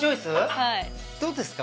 はいどうですか？